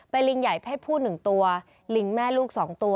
ไปลิงใหญ่เพศผู้หนึ่งตัวลิงแม่ลูกสองตัว